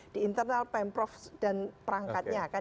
di internal pemprov dan perangkatnya